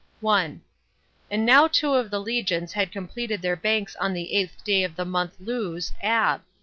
1. And now two of the legions had completed their banks on the eighth day of the month Lous [Ab].